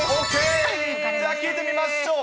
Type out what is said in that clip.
じゃあ聞いてみましょう。